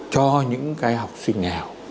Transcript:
cho những cái học sinh nghèo